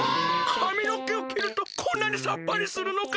かみのけをきるとこんなにサッパリするのか！